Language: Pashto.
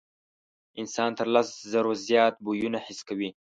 انسان تر لس زرو زیات بویونه حس کوي.